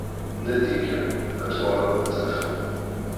Nadi kan, ad tuɣaleḍ ad t-tafeḍ.